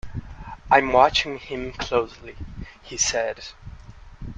"I'm watching him closely" he said.